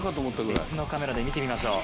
別のカメラで見てみましょう。